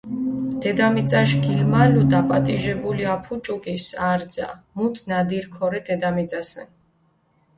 დედამიწაშ გილმალუ დაპატიჟებული აფუ ჭუკის არძა, მუთ ნადირი ქორე დედამიწასჷნ.